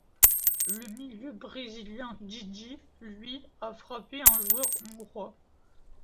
Le milieu brésilien Didi, lui, a frappé un joueur hongrois.